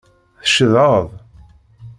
Tceḍḥeḍ.